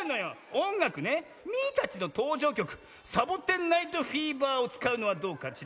おんがくねミーたちのとうじょうきょく「サボテン・ナイト・フィーバー」をつかうのはどうかしら？